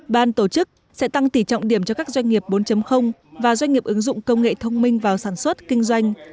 ban tổ chức sẽ tăng tỷ trọng điểm cho các doanh nghiệp bốn và doanh nghiệp ứng dụng công nghệ thông minh vào sản xuất kinh doanh